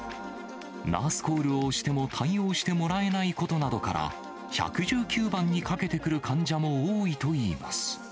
ナースコールをしても対応してもらえないことなどから、１１９番にかけてくる患者も多いといいます。